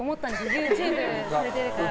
ＹｏｕＴｕｂｅされているから。